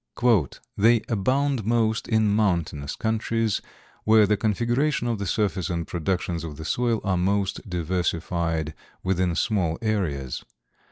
"They abound most in mountainous countries, where the configuration of the surface and productions of the soil are most diversified within small areas.